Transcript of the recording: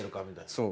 そう。